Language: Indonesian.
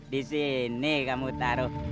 disini kamu taruh